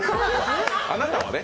あなたはね。